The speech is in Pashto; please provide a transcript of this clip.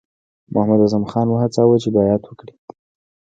محمداعظم خان وهڅاوه چې بیعت وکړي.